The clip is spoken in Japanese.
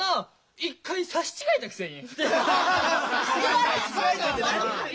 一回差し違えたくせに！